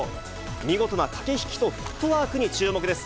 見事な駆け引きとフットワークに注目です。